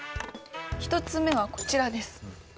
１つ目はこちらです。